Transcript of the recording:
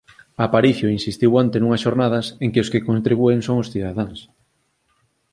Aparicio insistiu onte nunhas xornadas en que os que contribúen son os cidadáns